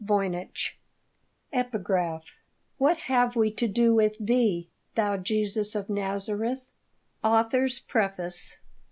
Voynich "What have we to do with Thee, Thou Jesus of Nazareth?" AUTHOR'S PREFACE.